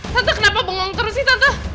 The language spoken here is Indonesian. tante kenapa bengong terus sih tante